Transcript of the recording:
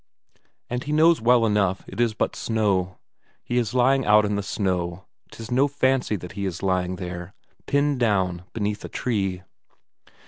And he knows well enough it is but snow; he is lying out in the snow; 'tis no fancy that he is lying there, pinned down beneath a tree.